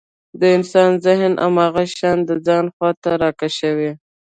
د انسان ذهن هماغه شيان د ځان خواته راکشوي.